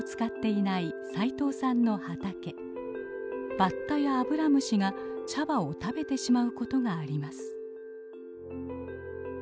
バッタやアブラムシが茶葉を食べてしまうことがあります。